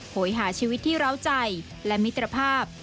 โหยหาชีวิตที่ร้าวใจและมิตรภาพ